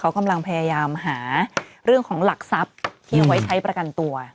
เขากำลังพยายามหาเรื่องของหลักทรัพย์ที่เอาไว้ใช้ประกันตัว